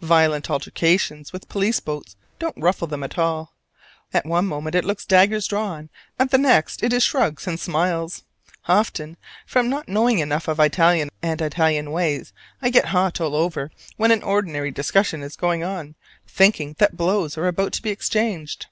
Violent altercations with police boats don't ruffle them at all; at one moment it looks daggers drawn; at the next it is shrugs and smiles. Often, from not knowing enough of Italian and Italian ways, I get hot all over when an ordinary discussion is going on, thinking that blows are about to be exchanged.